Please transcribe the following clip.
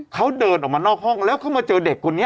เขาเดินออกมานอกห้องแล้วเขามาเจอเด็กคนนี้